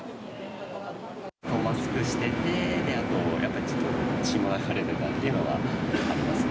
マスクしてて、あと、やっぱりちょっと血が流れたというのがありますね。